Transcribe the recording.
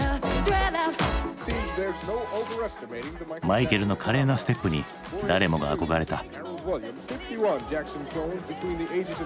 マイケルの華麗なステップに誰もが憧れた。